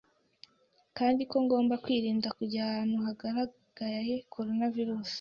kandi ko ngomba kwirinda kujya ahantu hagaragaye Corona virus